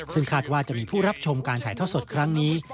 ซึ่งคาดว่าจะมีผู้รับชมการถ่ายทอดสดครั้งนี้